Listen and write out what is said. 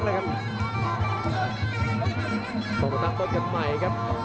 พวกมันตั้งต้นกันใหม่ครับ